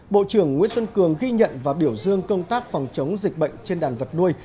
bộ trưởng nguyễn xuân cường ghi nhận và biểu dương công tác phòng chống dịch bệnh trên đàn vật nuôi